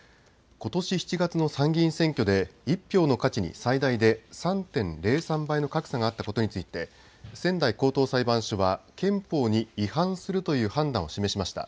ことし７月の参議院選挙で１票の価値に最大で３．０３倍の格差があったことについて仙台高等裁判所は憲法に違反するという判断を示しました。